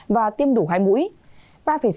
và tiêm đủ hai mũi